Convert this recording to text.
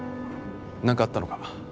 何かあったのか？